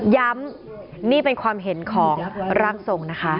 ย้ำนี้เป็นความเห็นของรังทรง